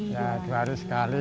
ya dua hari sekali